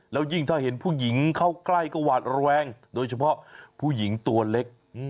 แล้วยิ่งถ้าเห็นผู้หญิงเข้าใกล้ก็หวาดระแวงโดยเฉพาะผู้หญิงตัวเล็ก